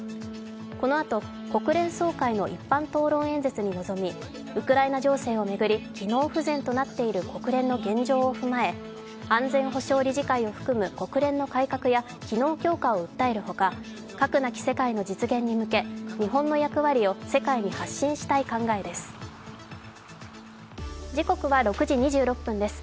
このあと国連総会の一般討論演説に臨みウクライナ情勢を巡り、機能不全となっている国連の現状を踏まえ安全保障理事会を含む、国連の改革や機能強化を訴えるほか、核なき世界の実現に向け日本の役割を世界に発信したい考えです。